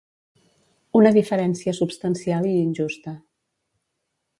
Una diferència substancial i injusta.